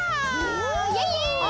イエイイエイ！